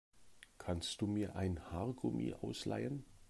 Kannst du mir ein Haargummi ausleihen?